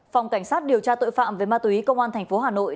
phòng cảnh sát điều tra tội phạm về ma túy công an thành phố hà nội